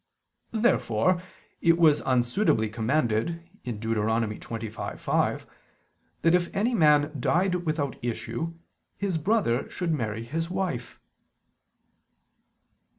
Therefore it was unsuitably commanded (Deut. 25:5) that if any man died without issue, his brother should marry his wife.